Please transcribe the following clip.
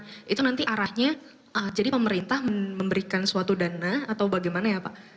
jadi itu nanti arahnya jadi pemerintah memberikan suatu dana atau bagaimana ya pak